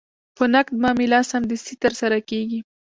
په نقد معامله سمدستي ترسره کېږي.